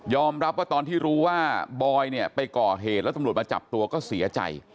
รับว่าตอนที่รู้ว่าบอยเนี่ยไปก่อเหตุแล้วตำรวจมาจับตัวก็เสียใจ